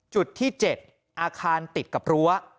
จุดที่๗อาคารติดกับรั้ว